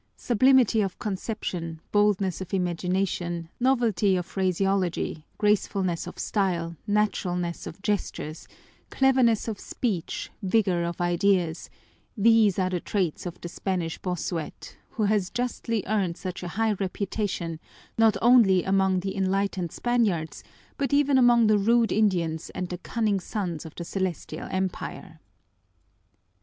Sublimity of conception, boldness of imagination, novelty of phraseology, gracefulness of style, naturalness of gestures, cleverness of speech, vigor of ideas these are the traits of the Spanish Bossuet, who has justly earned such a high reputation not only among the enlightened Spaniards but even among the rude Indians and the cunning sons of the Celestial Empire."